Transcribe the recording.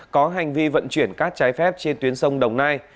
có hành vi vận chuyển cát trái phép trên tuyến sông đồng nai